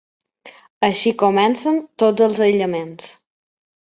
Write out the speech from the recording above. Així comencen tots els aïllaments.